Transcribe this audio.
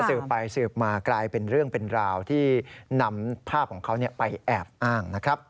สืบไปสืบมากลายเป็นเรื่องเป็นราวที่นำภาพของเขาไปแอบอ้างนะครับ